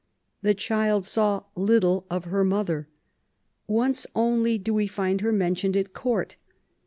The child saw little of her mother. Once only do we find her mentioned at Court.